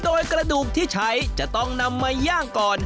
โดยกระดูกที่ใช้จะต้องนำมาย่างก่อน